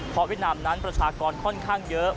เพราะเวียดนามนั้นประชากรค่อนข้างเยอะ